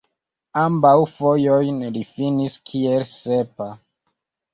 Ambaŭ fojojn li finis kiel sepa.